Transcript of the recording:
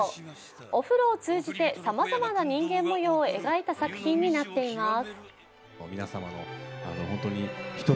お風呂を通じてさまざまな人間模様を描いた作品になっています。